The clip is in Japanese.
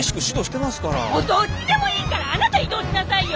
もうどっちでもいいからあなた移動しなさいよ！